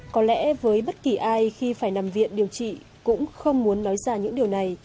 có lẽ với bất kỳ ai khi phải nằm viện điều trị cũng không muốn nói ra những điều này